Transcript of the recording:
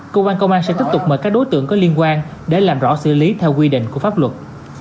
cơ quan công an sẽ tiếp tục mời các đối tượng có liên quan để làm rõ xử lý theo quy định của pháp luật